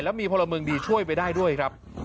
มีพลเมืองดีช่วยไปได้ด้วยครับ